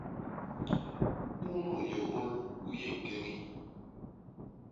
Unu nyôgôl u yé ñkeñi.